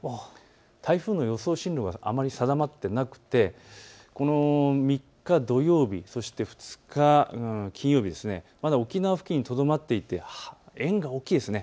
台風の予想進路、あまり定まっていなくて３日土曜日、そして２日金曜日まだ沖縄付近にとどまっていて円が大きいですね。